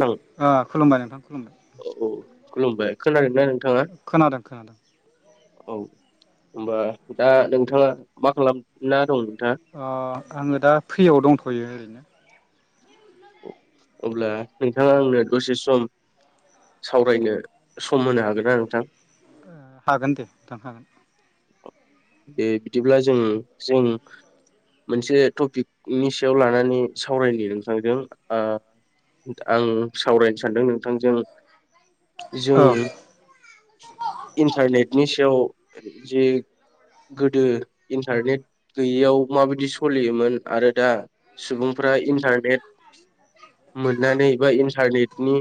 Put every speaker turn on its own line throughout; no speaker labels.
नों
ओ खुलुमबाय नोंथां खुलुमबाय।
खोनादों ना नों
खोनादों खोनादों।
औ होनबा दा नोंथाङा मा खालामना दं? नोंथाङा
अ आङो दा फ्रियाव दंथ'यो ओरैनो।
अब्ला नोंथाङा आंनो दसे सम सावरायनो सम होनो हागोन ना नोंथां?
हागोन दे नोंथां हागोन।
बे बिदिब्ला जों जों मोनसे टपिकनि सायाव लानानै सावरायनि नोंथांजों। आ आं सावरायनो सानदों नोंथांजों। जों
औ
इन्टारनेटनि सायाव जि गोदो इन्टारनेट गैयैयाव माबायदि सलियोमोन आरो दा सुबुंफ्रा इन्टारनेट मोननानै बा इन्टारनेटनि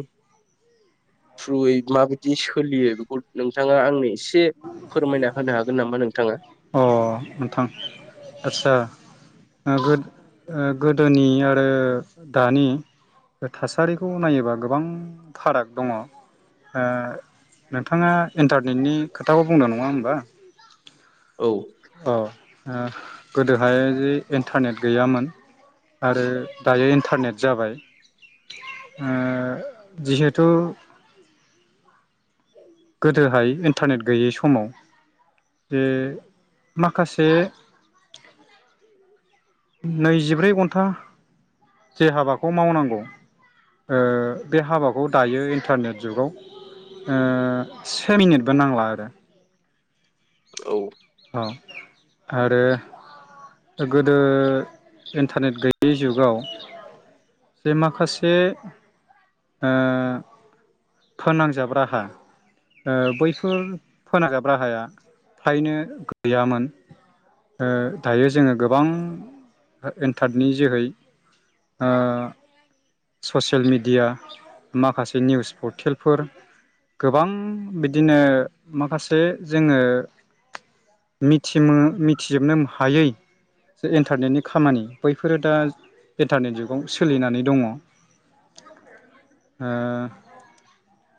थ्रुयै माबायदि सोलियो बेखौ नोंथाङा आंनि एसे फोरमायना होनो हागोन नामा नों
अ नोंथां आदसा। आ गोद ओ गोदोनि आरो दानि थासारिखौ नायोबा गोबां फाराग दङ'। आ नोंथाङा इन्टारनेटनि खोथाखौ बुंदों नङा होमबा?
औ
आ गोदोहाय इन्टारनेट गैयामोन आरो दायो इन्टारनेट जाबाय । ओ जिहेथु गोदोहाय इन्टारनेट गैयै समाव जे माखासे नैजिब्रै घन्टा जे हाबाखौ मावनांगौ ओ बे हाबाखौ दायो इन्टारनेट जुगाव ओ से मिनिटबो नांला आरो
औ।
औ आरो गोदो इन्टारनेट गैयै जुगाव जे माखासे ओ फोनांजाब राहा ओ बैफोर फोनांजाब राहाया फ्रायनो गैयामोन ओ दायो जोङो गोबां एन्टारनि जोहै ओ ससेल मेडिया माखासे निउस पर्टेलफोर गोबां बिदिनो माखासे जोङो मिथिमो मिथिजोबनो हायै जे इन्टारनेटनि खामानि बैफोरो दा इन्टारनेट जुगाव सोलिनानै दङ'। ओ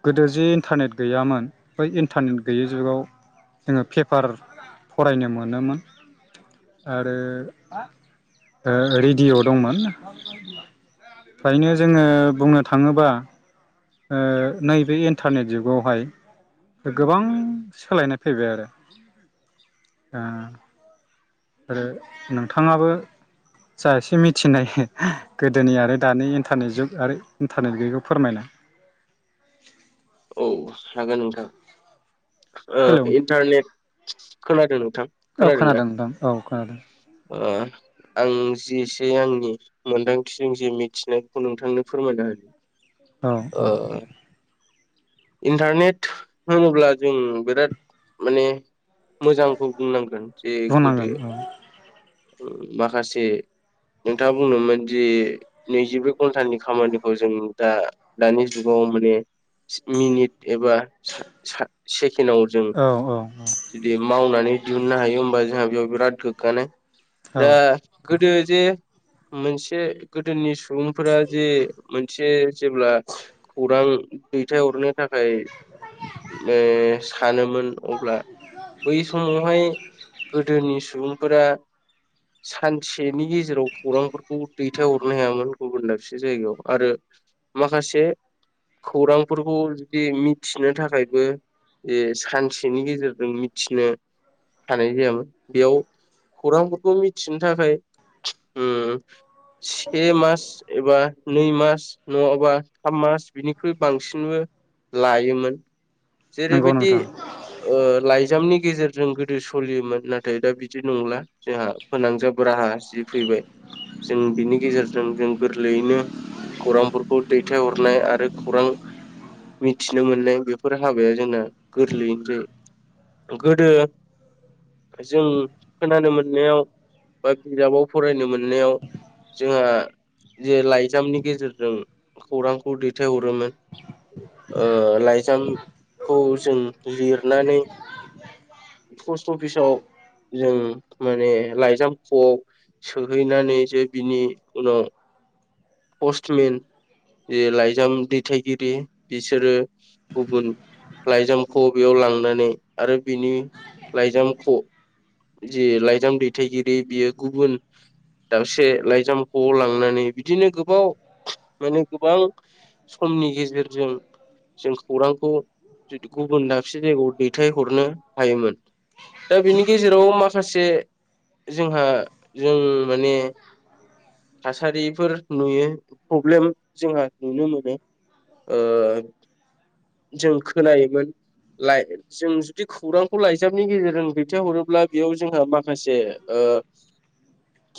गोदो जे इन्टारनेट गैयामोन बै इन्टारनेट गैयै जुगाव जोङो पेपार फरायनो मोनोमोन आरो ओ रेडिअ' दंमोन । ओमफायनो जोङो बुंनो थाङोबा ओ नैबे इन्टारनेट जुगावहाय गोबां सोलायनाय फैबाय आरो आ आरो नोंथाङाबो जा एसे मिथिनाय गोदोनि आरो दानि इन्टारनेट जुग आरो इन्टारनेट गैयैखौ फोरमायना
औ हागोन नोंथां। ओ
हेलौ
इन्टारनेट खोनादों नों
औ खोनादों नोंथां औ खोनादों।
ओ आं जि इसे आंनि मोन्दांथिजों जे मिथिनायखौ नोंथांनो फोरमायना होनि।
औ
ओ
औ।
इन्टारनेट होनोब्ला जों बिराद माने मोजांखौ बुंनांगोन जे गोदो
बुंनांगोन औ
माखासे नोंथाङा बुंदोमोन दि नैजिब्रै घन्टानि खामानिखौ जों दा दानि जुगाव माने मिनिट एबा सा सा से केनाव जों
औ औ
जुदि मावनानै दिहुननो हायो होमबा जोंहा बेयाव बिराट गोगानो दा
औ
गोदो जे मोनसे गोदोनि सुबुंफोरा जे मोनसे जे जेब्ला खौरां दैथायहरनो थाखाय ओ सानोमोन अब्ला बै समावहाय गोदोनि सुबुं फोरा सानसेनि गे जेराव खौरांफोरखौ दैथायहरनो हायामोन गुबुन दाबसे जायगायाव आरो माखासे खौरां फोरखौ जुदि मिथिनो थाखायबो जे सानसेनि गेजेरजों मिथिनो हानाय जायामोन बेयाव खौरांफोरखौ मिथिनो थाखाय उम से मास एबा नै मास नङाबा थाम मास बिनिख्रुइ बांसि नबो लायोमोन
नंगौ
जेरैबायदि
नोंथां
ओ लाइजामनि गेजेर जों गोदो सोलियोमोन नाथाय दा बिदि नंला जोंहा फोनांजाब राहा जि फैबाय जों बिनि गेजेरजों जों गोरलैयैनो खौरांफोरखौ दैथायहरनाय आरो खौरां मिथिनो मोननाय बेफोर हाबाया जोंना गोरलैयैनो जायो गोदो जों खोनानो मोननायाव बा बिजाबाव फरायनो मोननायाव जोंहा जे लाइजामनि गेजेरजों खौरांखौ दैथायहरोमोन ओ लाइजामखौ जों लिरनानै पस्ट अफिसाव जों माने लाइजाम खआव सोहैनानै जे बिनि उनाव पस्टमेन जे लाइजाम दैथायगिरि बिसोरो गुबुन लाइजामखौ बेयाव लांनानै आरो बिनि लाइजामखौ जि लाइजाम दैथायगिरि बियो गुबुन दाबसे लाइजामखौ लांनानै बिदिनो गो बाव माने गोबां समनि गेजेरजों जों खौरांखौ गुबुन दाबसे जायगायाव दैथायहरनो हायोमोन। दा बेनि गेजेराव माखासे जोंहा जों माने थासारिफोर नुयो प्रब्लेम जोंहा नुनो मोनो ओ जों खोनायोमोन लाय जों जुदि खौरांखौ लाइजामनि गेजेरजों दैथायहरोब्ला बेयाव जोंहा माखासे ओ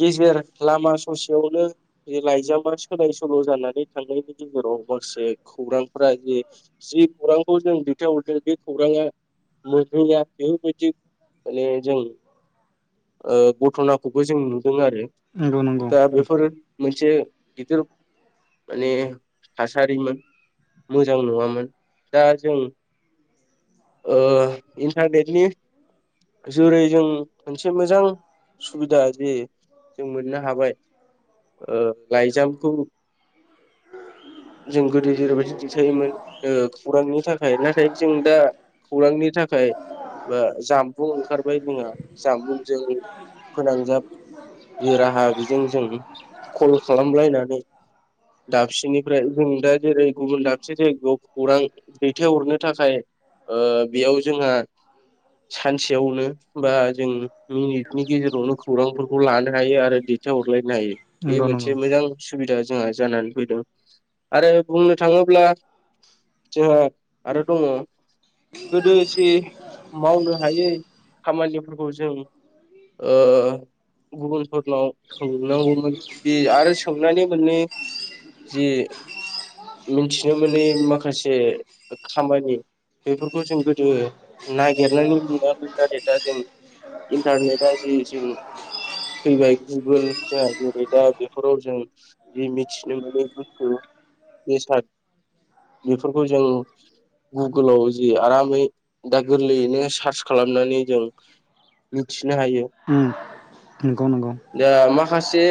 गेजेर लामा ससेयावनो जे लाइजामा सोलाय सोल' जानानै थांनायनि गेजेराव माखासे खौरांफ्रा जे जि खौरांखौ जों दैथायहरदों बे खौराङा मोनहैया बेफोरबायदि माने जों ओ घट'ना खौबो जों नु दों आरो
नंगौ नंगौ
दा बेफोरो मोनसे गिदिर माने थासारिमोन मोजां नङामोन दा जों ओ इन्टारनेटनि जुरै जों मोनसे मोजां सुबिदा जे जों मोननो हाबाय ओ लाइजामखौ जों गोदो जेरैबायदि दैथायोमोन ओ खौरांनि थाखाय नाथाय जों दा खौरांनि थाखाय बा जानबुं ओंखारबाय जोंहा जानबुंजों फोनांजाब जे राहा बेजों जों कल खालामलायनानै दाबसेनिफ्राय जों दा जेरै गुबुन दाबसे जायगायाव खौरां दैथायहरनो थाखाय ओ बेयाव जोंहा सानसेयावनो बा जों मिनिटनि गेजेरावनो खौरांफोरखौ लानो हायो आरो दैथाय हरलायनो हायो बे
नंगौ नंगौ
मोनसे मोजां सुबिदा जोंहा जानानै फैदों आरो बुंनो थाङोब्ला जोंहा आरो दङ गोदो जि मावनो हायै खामानिफोरखौ जों ओ गुबुनफोरनाव सोंनांगौमोन बे आरो सोंनानै मोनै जे मिनथिनो मोनै माखासे खामानि बेफोरखौ जों गोदो नागिरनानै मोनामोन दा नै दा जों इन्टारनेटआ जे जों फैबाय गुगोल जोंहा जेरै दा बेफोराव जों जि मिथिनो मोनै बुस्थु बेसाद बेफोरखौ जों गुगोलाव जि आरामै दा गोरलैयैनो सार्च खालामनानै जों मिथि नो हायो,
उम नंगौ नंगौ
दा मा माखासे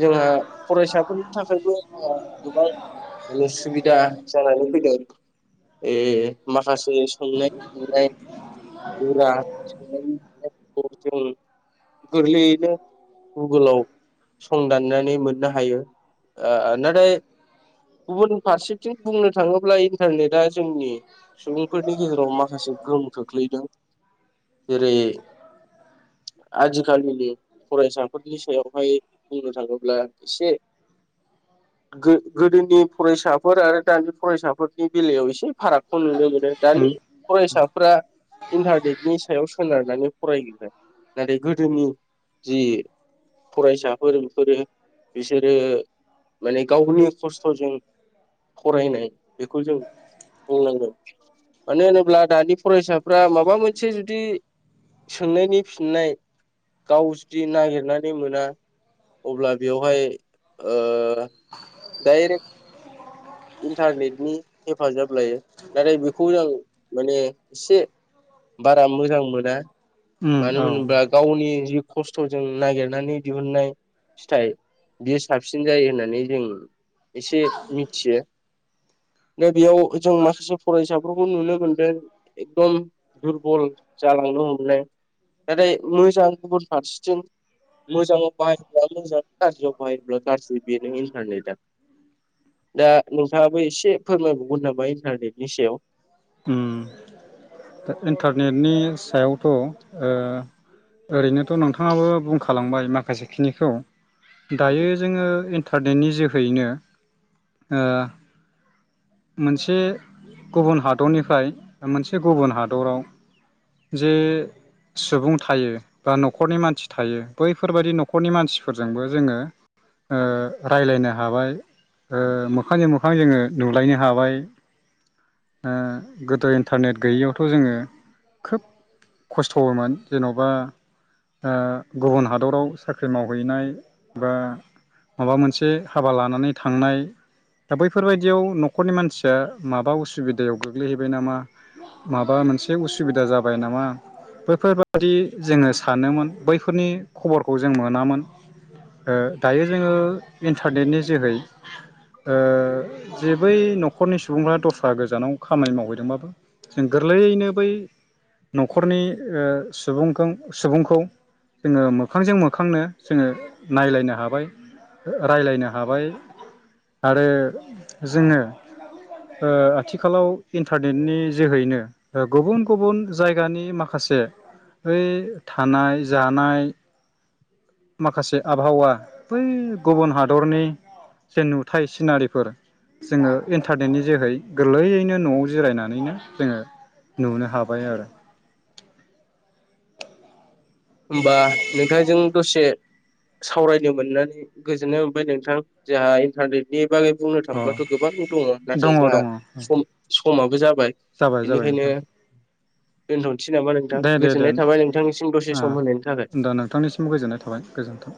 जोंहा फरायसाफोरनि थाखायबो ओ गोबां नो सुबिदा जानानै फैदों ए माखासे सोंनाय फिन्नाय गोरा सोंनायफोरखौ जों गोरलैयैनो गुगोलाव संदाननानै मोननो हायो ओ नाथाय गुबुन फारसेथिं बुंनो थाङोब्ला इन्टारनेटआ जोंनि सुबुंफोरनि गेजेराव माखासे गोहोम खोख्लैदों जेरै आजिखालिनि फरायसाफोरनि सायावहाय बुंनो थाङोब्ला एसे गो गोदोनि फरायसाफोर आरो दानि फरायसाफोरनि बेलायाव एसे फारागखौ नुनो मोनो दानि
उम
फरायसा फ्रा इन्थारनेटनि सायाव सोनारनानै फरायो। नाथाय गोदोनि जि फरायसा फोरोंफोरो बिसोरो माने गावनो खस्थ'जों फरायनाय बेखौ जों बुंनांगोन। मानो होनोब्ला दानि फरायसाफ्रा माबा मोनसे जुदि सोंनायनि फिननाय गाव जुदि नागिरनानै मोना अब्ला बेवहाय ओ डाइरेक्ट इन्थारनेटनि हेफाजाब लायो नाथाय बेखौ जों माने एसे बारा मोजां मोना।
उम
मानो
औ
होनोब्ला गावनि जि खस्थ'जों नागेरनानै दिहुननाय फिथाइ बियो साबसिन जायो होननानै जों एसे मिथियो । दा बेयाव जों माखासे फरायसाफोरखौ नुनो मोनदों एकदम दुरबल जालांनो हमनाय । नाथाय मोजां गुबुन फारसेथिं मोजां बाहाय बा मोजां, गाज्रियाव बाहायोब्ला गाज्रि बेनो इन्थारनेटआ। दा नोंथाङाबो एसे फोरमायबावगोन नामा इन्थारनेटनि सायाव?
उम दा इन्टारनेटनि सायावथ' ओ ओरैनोथ' नोंथाङाबो बुंखालांबाय माखासे खिनिखौ दायो जोङो इन्थारनेटनि जो हैनो ओ मोनसे गुबुन हादरनिफ्राय मोनसे गुबुन हादराव जे सुबुं थायो बा नख'रनि मानसि थायो बैफोरबादि नख'रनि मानसिफोरजोंबो जोङो ओ रायलायनो हाबाय, ओ मोखांजों मोखां जोङो नुलायनो हाबाय। ओ गोदो इन्थारनेट गैयैयावथ' जोङो खोब खस्थ'मोन जेनबा ओ गुबुन हादराव साख्रि मावहैनाय बा माबा मोनसे हाबा लानानै थांनाय दा बैफोरबायदियाव न ' ख'रनि मानसिया माबा उसुबिदायाव गोग्लैहैबाय नामा, माबा मोनसे उसुबिदा जाबाय नामा, बैफोरबादि जोङो सानोमोन बैफोरनि खबरखौ जों मोनामोन, ओ दायो जोङो इन्थारनेटनि जोहै ओ जे बै नख'रनि सुबुंफ्रा दस्रा गोजानाव खामानि मावहैदोंबाबो जों गोरलैयैनो बै नख'रनि ओ सुबुंखों सुबुंखौ जोङो मोखांजों मोखांनो जोङो नायलायनो हाबाय, रायलायनो हाबाय आरो जोङो ओ आथिखालाव इन्थारनेटनि जोहैनो ओ गुबुन गुबुन जायगानि माखासे ओइ थानाय, जानाय माखासे आबहावा बै गुबुन हादरनि जे नुथाय सिनारिफोर जोङो इन्टारनेटनि जोहै गोरलैयैनो न'आव जिरायनानैनो जोङो नुनो हाबाय आरो।
होमबा नोंथांजों दसे सावरायनो मोननानै गोजोननाय मोनबाय नोंथां जोंहा इन्थारनेटनि बागै बुंनो
अ
थांब्लाथ' गोबां दङ नाथाय
दङ
जोंहा
दङ
सम माबो जा बाय
जाबाय जाबाय
बेनिखायनो
नोंथां
दोनथ'नो सै नामा नोंथां
दे दे दे
गोजोननाय थाबाय नोंथांनिसिम दसे सम होनायनि थाखाय
दा नोंथांनिसिम गोजोननाय थाबाय गोजोन्थों।